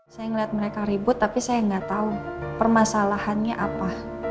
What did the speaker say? saya melihat mereka ribut tapi saya nggak tahu permasalahannya apa